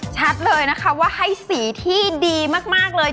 ชัดเลยนะคะว่าให้สีที่ดีมากเลย